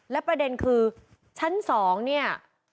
และประเด็นคือชั้น๒เนี่ย